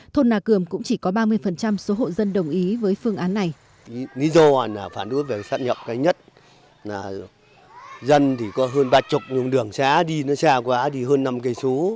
thôn nà cường cũng chỉ có ba mươi số hộ dân đồng ý với phương án này